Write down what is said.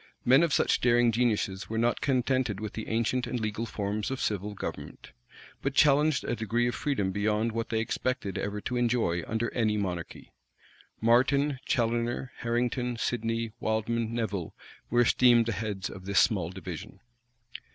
Men of such daring geniuses were not contented with the ancient and legal forms of civil government; but challenged a degree of freedom beyond what they expected ever to enjoy under any monarchy. Martin, Challoner, Harrington, Sidney, Wildman, Nevil, were esteemed the heads of this small division.